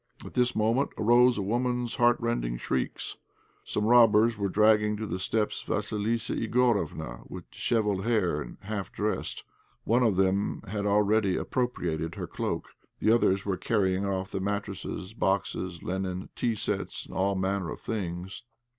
At this moment arose a woman's heartrending shrieks. Some robbers were dragging to the steps Vassilissa Igorofna, with dishevelled hair and half dressed. One of them had already appropriated her cloak; the others were carrying off the mattresses, boxes, linen, tea sets, and all manner of things.